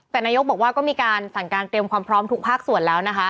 แต่นายกบอกว่าก็มีการสั่งการเตรียมความพร้อมทุกภาคส่วนแล้วนะคะ